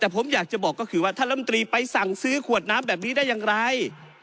แต่ผมอยากจะบอกก็คือว่าท่านลำตรีไปสั่งซื้อขวดน้ำแบบนี้ได้อย่างไร